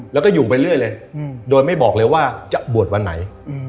แล้วก็อยู่ไปเรื่อยเลยโดยไม่บอกเลยว่าจะบวชวันไหน